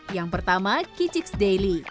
yang pertama kiciks daily